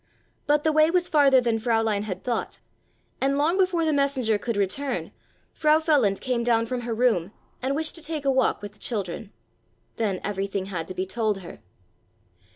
But the way was farther than Fräulein had thought, and long before the messenger could return Frau Feland came down from her room and wished to take a walk with the children. Then everything had to be told her.